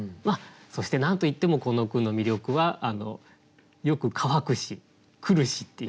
そして何といってもこの句の魅力は「よく乾くし」「来るし」っていうね